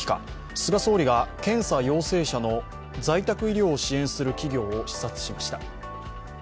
菅総理が検査陽性者の在宅医療を支援する企業を視察しました。